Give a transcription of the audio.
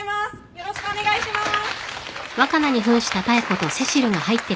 よろしくお願いします。